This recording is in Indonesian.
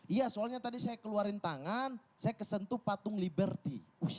iya soalnya tadi saya keluarin tangan saya kesentuh patung liberty